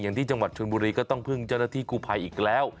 ที่จังหวัดชนบุรีก็ต้องพึ่งเจ้าหน้าที่กู้ภัยอีกแล้ว